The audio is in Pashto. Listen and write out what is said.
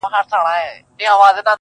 خرخو ځکه پر زمري باندي ډېر ګران وو-